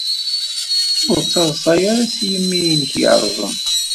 Ur ttadṣa ara s yimi-nnek yerẓem.